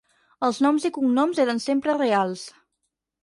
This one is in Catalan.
Els noms i cognoms eren sempre reals.